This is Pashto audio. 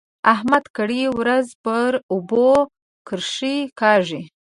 احمد کرۍ ورځ پر اوبو کرښې کاږي.